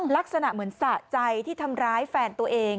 ลักษณะเหมือนสะใจที่ทำร้ายแฟนตัวเอง